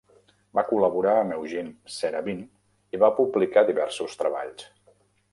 Va col·laborar amb Eugene Serabyn i va publicar diversos treballs.